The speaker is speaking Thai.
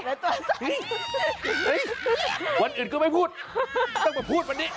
เฮ้ยวันอื่นก็ไม่พูดต้องมาพูดวันนี้